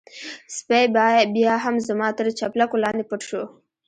سپی بيا هم زما تر چپلکو لاندې پټ شو.